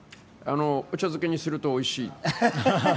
お茶漬けにするとおいしい。